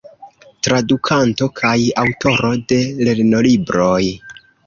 Tradukanto kaj aŭtoro de lernolibroj.